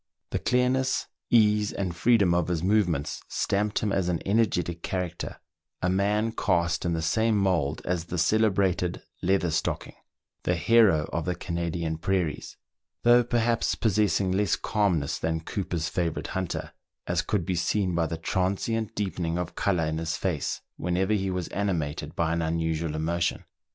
The clearness, ease, and freedom of his movements stamped him as an energetic character, a man cast in the same mould as the celebrated " Leather stocking/' the hero of the Canadian prairies, though perhaps possessing less calmness than Cooper's favourite hunter, as could be seen by the transient deepening of colour in his face, whenever he was animated by any unusual emotion.